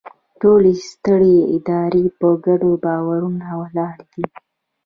ټولې سترې ادارې په ګډو باورونو ولاړې دي.